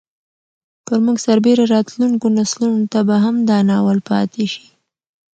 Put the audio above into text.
پر موږ سربېره راتلونکو نسلونو ته به هم دا ناول پاتې شي.